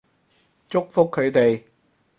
祝福佢哋